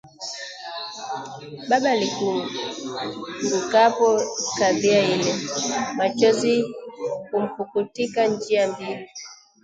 Baba aikumbukapo kadhia ile, machozi humpukutika njia mbili